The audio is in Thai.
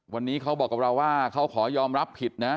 วันนี้เขาบอกกับเราว่าเขาขอยอมรับผิดนะ